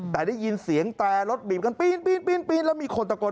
แต่ได้ยินเสียงแตรรถบีบกันปีนแล้วมีคนตะโกน